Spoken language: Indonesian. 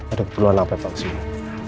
ada keperluan apa pak ke sini